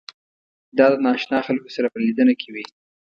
دا د نااشنا خلکو سره په لیدنه کې وي.